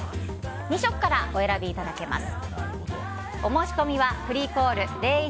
２色からお選びいただけます。